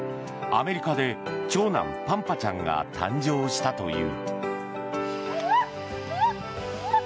アメリカで長男・パンパちゃんが誕生したという。